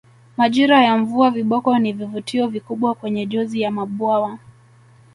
Majira ya mvua viboko ni vivutio vikubwa kwenye jozi ya mabwawa